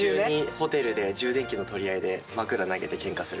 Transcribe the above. ホテルで充電器の取り合いで枕投げてケンカするって。